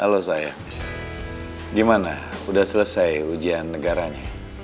halo saya gimana udah selesai ujian negaranya